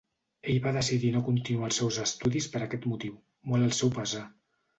Ell va decidir no continuar els seus estudis per aquest motiu, molt al seu pesar.